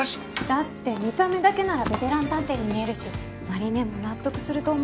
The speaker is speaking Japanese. だって見た目だけならベテラン探偵に見えるし麻里姉も納得すると思うの。